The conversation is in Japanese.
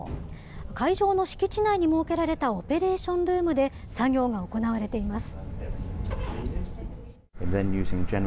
会場の敷地内に設けられたオペレーションルームで作業が行われています。